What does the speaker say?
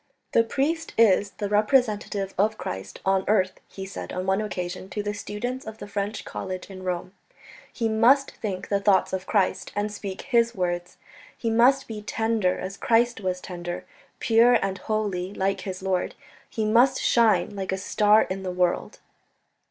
"The priest is the representative of Christ on earth," he said on one occasion to the students of the French College in Rome; "he must think the thoughts of Christ and speak His words. He must be tender as Christ was tender, pure and holy like his Lord; he must shine like a star in the world."